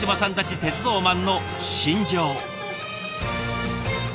鉄道マンの信条。